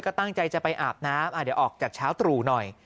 ก็ตั้งใจจะไปอาบน้ำเดี๋ยวออกจากเช้าตรู่หน่อย